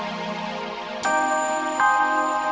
semasa sekali gak ada tanggung jawabnya